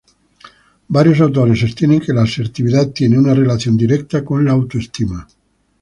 Varios autores sostienen que la asertividad tiene una relación directa con la autoestima.